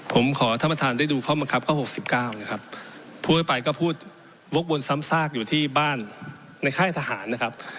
ผมขอท่านประธานดูเขามาครับข้อ๖๙ก็พูดบนซ้ำซากอยู่ที่บ้านในคายทหารนะครับ